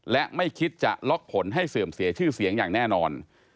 และไม่คิดจะล็อกผลให้เสื่อมเสียชื่อเสียงอย่างแน่นอน